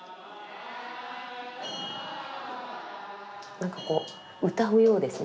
何かこう歌うようですね。